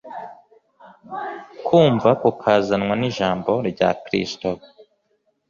kumva kukazanwa n’ijambo rya Kristo.